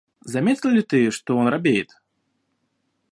Заметил ли ты, что он робеет?